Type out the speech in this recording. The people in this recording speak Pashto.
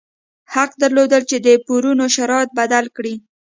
حق درلود چې د پورونو شرایط بدل کړي.